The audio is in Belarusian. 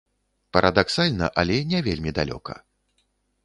Парадаксальна, але не вельмі далёка.